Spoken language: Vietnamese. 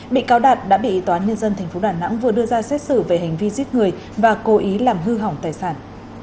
bị cáo đạt đã bị tòa án nhân dân tp đà nẵng vừa đưa ra xét xử về hành vi giết người và cố ý làm hư hỏng tài sản